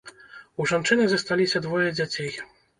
У жанчыны засталіся двое дзяцей.